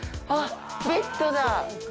あっ、ベッドだ。